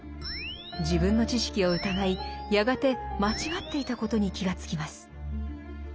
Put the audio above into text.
自分の知識を疑いやがて間違っていたことに気がつきます。